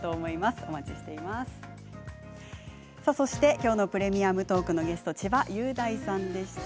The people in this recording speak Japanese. きょうの「プレミアムトーク」のゲスト千葉雄大さんでした。